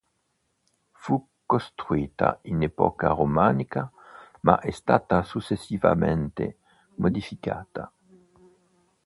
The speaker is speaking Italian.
Fu costruita in epoca romanica, ma è stata successivamente modificata.